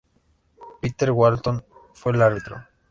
Peter Walton fue el árbitro.